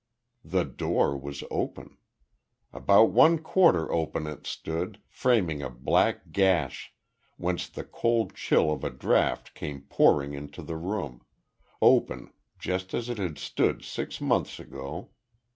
The door was open. About one quarter open it stood, framing a black gash, whence the cold chill of a draught came pouring into the room open, just as it had stood six months ago.